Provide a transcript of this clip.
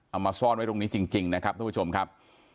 เอามาซ่อนไว้ตรงนี้จริงนะครับทุกผู้ชมครับ